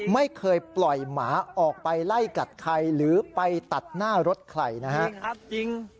ไม่เคยปล่อยหมาออกไปไล่กัดใครหรือไปตัดหน้ารถใครนะครับ